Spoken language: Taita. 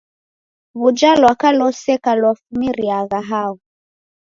W'uja lwaka loseka lwafumiriagha hao?